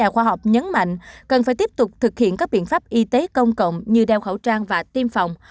các khoa học nhấn mạnh cần phải tiếp tục thực hiện các biện pháp y tế công cộng như đeo khẩu trang và tiêm phòng